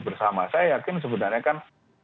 bersama saya yakin sebenarnya kan